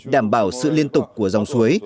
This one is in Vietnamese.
đảm bảo sự liên tục của dòng suối